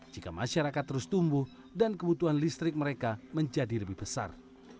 jika masyarakat terus tumbuh dan kebutuhan listrik mereka menjadi lebih besar